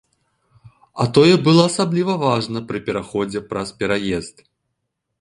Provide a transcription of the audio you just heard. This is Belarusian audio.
А тое было асабліва важна пры пераходзе праз пераезд.